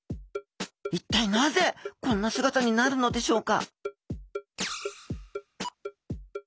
一体なぜこんな姿になるのでしょうか？